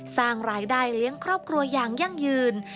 สร้างรายได้เลี้ยงครอบครัวอย่างยั่งยืน